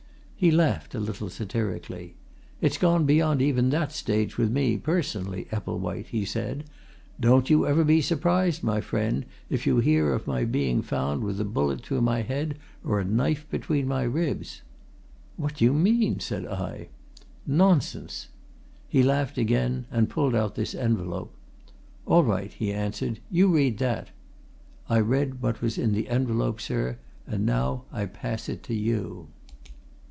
He laughed a little satirically. 'It's gone beyond even that stage with me, personally, Epplewhite,' he said. 'Don't you ever be surprised, my friend, if you hear of my being found with a bullet through my head or a knife between my ribs!' 'What do you mean?' said I. 'Nonsense!' He laughed again, and pulled out this envelope. 'All right,' he answered. 'You read that!' I read what was in the envelope, sir and I now pass it to you!"